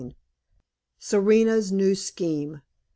SERENA'S NEW SCHEME.